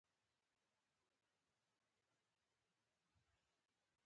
د کوټي ښار د ښونکو سازمان کار بندي اعلان کړه